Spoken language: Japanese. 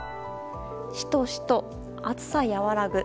しとしと、暑さ和らぐ。